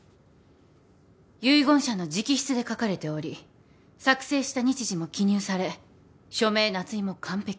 遺言者の直筆で書かれており作成した日時も記入され署名捺印も完璧。